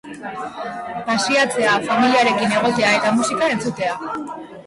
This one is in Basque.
Pasiatzea, familiarekin egotea eta musika entzutea.